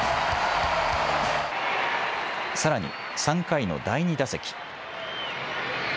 さらに、３回の第２打席。